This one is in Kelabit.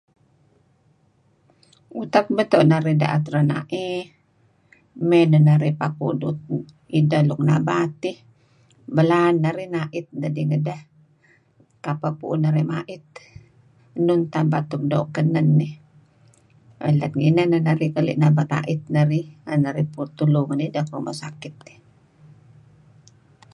Utak beto' narih daet renaey may neh narih papu' ideh nuk nabat iih. Belaan narih neh ait narih ngedeh kapeh puun marih mait nun tabat nuk doo' kanen dih lat ngineh neh narih kereb nabat ait narih ngen narih petulu ideh nuk ruma sakit.